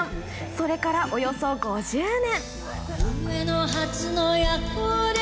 それからおよそ５０年。